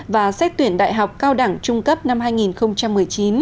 và xét tuyển đại học cao đẳng trung cấp năm hai nghìn một mươi chín